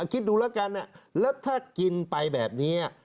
อ่ะอ่ะคิดดูแล้วกันอ่ะแล้วถ้ากินไปแบบนี้อ่ะ